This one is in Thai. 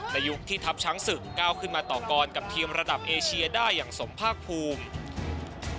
ยุคที่ทัพช้างศึกก้าวขึ้นมาต่อกรกับทีมระดับเอเชียได้อย่างสมภาคภูมิ